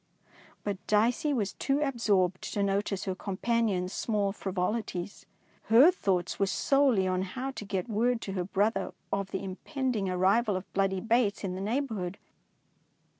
But Dicey was too absorbed to notice her companion's small frivolities. Her thoughts were solely on how to get word to her brother of the impending arrival of " Bloody Bates in the neigh bourhood.